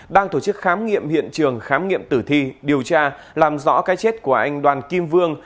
đang tổ chức khám nghiệm hiện trường khám nghiệm tử thi điều tra làm rõ cái chết của anh đoàn kim vương